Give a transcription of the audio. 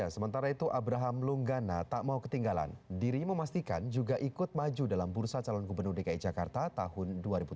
sementara itu abraham lunggana tak mau ketinggalan dirinya memastikan juga ikut maju dalam bursa calon gubernur dki jakarta tahun dua ribu tujuh belas